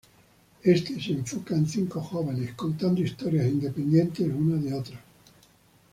Este se enfoca en cinco jóvenes contando historias independientes una de otra.